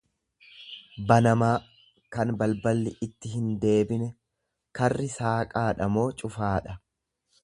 banamaa, kan balballi itti hindeebine; Karri saaqaadha moo cufaadha?